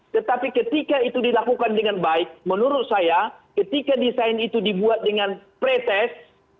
tetapi ketika itu dilakukan dengan baik menurut saya ketika desain itu dibuat dengan pretes